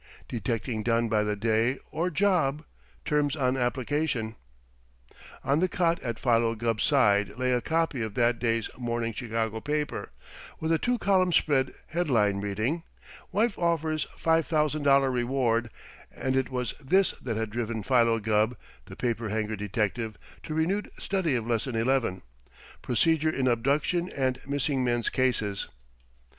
Detecting done by the Day or Job. Terms on Application." On the cot at Philo Gubb's side lay a copy of that day's morning Chicago paper, with a two column spread headline reading, "Wife Offers $5000 Reward," and it was this that had driven Philo Gubb, the paper hanger detective, to renewed study of Lesson Eleven "Procedure in Abduction and Missing Men Cases."